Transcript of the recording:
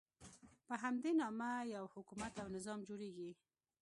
په همدې نامه یو حکومت او نظام جوړېږي.